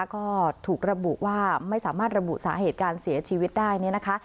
ก็ถูกระบุว่าไม่สามารถระบุสาเหตุการเสียชีวิตได้เนี่ยนะคะ